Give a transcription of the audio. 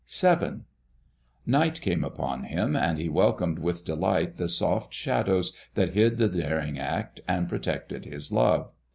VII. Night came upon him, and he welcomed with delight the soft shadows that hid the daring act and protected his love.